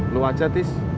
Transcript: lo wajah tis